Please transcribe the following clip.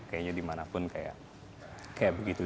kayaknya dimanapun kayak begitu